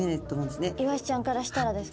イワシちゃんからしたらですか？